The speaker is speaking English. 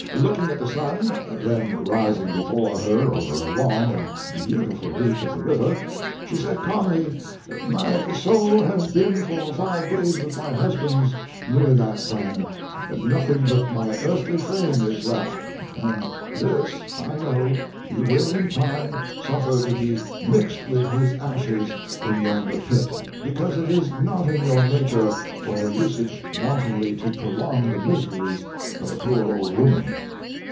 Looking at the sun, then rising before her over a long and beautiful reach of the river, she said calmly, 'My soul has been for five days with my husband's near that sun; nothing but my earthly frame is left; and this, I know, you will in time suffer to be mixed with his ashes in yonder pit, because it is not in your nature or usage wantonly to prolong the miseries of a poor old woman.'"